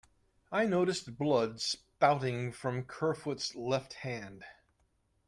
I noticed blood spouting from Kerfoot's left hand.